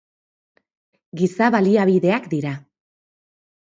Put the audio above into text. Giza baliabideak dira.